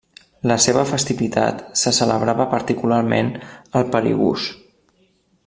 La seva festivitat se celebrava particularment al Perigús.